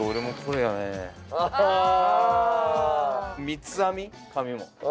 三つ編み髪も。